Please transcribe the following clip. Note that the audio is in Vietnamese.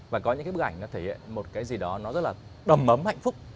và có những cái bức ảnh nó thể hiện một cái gì đó nó rất là đầm ấm hạnh phúc